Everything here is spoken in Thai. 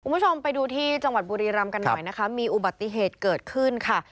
คุณผู้ชมไปดูที่จังหวัดบุรีรำกันหน่อยนะคะมีอุบัติเหตุเกิดขึ้นค่ะ